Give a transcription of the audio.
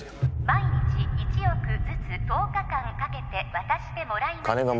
毎日１億ずつ１０日間かけて渡してもらいます